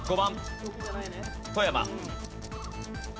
富山。